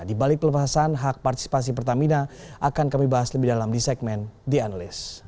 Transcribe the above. di balik pelepasan hak partisipasi pertamina akan kami bahas lebih dalam di segmen the analyst